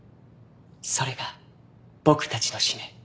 それが僕たちの使命。